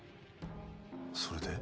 それで？